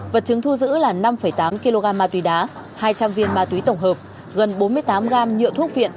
vật chứng thu giữ là năm tám kg ma túy đá hai trăm linh viên ma túy tổng hợp gần bốn mươi tám gam nhựa thuốc viện